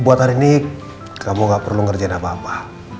buat hari ini kamu gak perlu ngerjain apa apa